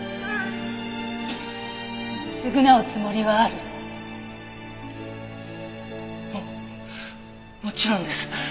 償うつもりはある？ももちろんです。